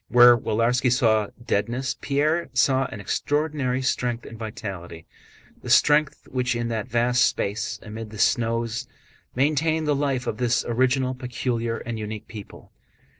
Where Willarski saw deadness Pierre saw an extraordinary strength and vitality—the strength which in that vast space amid the snows maintained the life of this original, peculiar, and unique people.